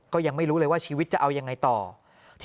ก็ยังไม่รู้เลยว่าชีวิตจะเอายังไงต่อ